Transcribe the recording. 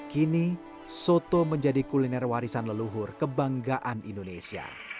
kini soto menjadi kuliner warisan leluhur kebanggaan indonesia